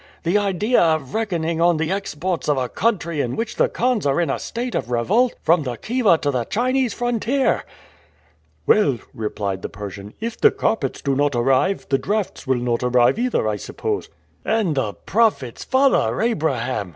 The idea of reckoning on the exports of a country in which the khans are in a state of revolt from Khiva to the Chinese frontier!" "Well," replied the Persian, "if the carpets do not arrive, the drafts will not arrive either, I suppose." "And the profits, Father Abraham!"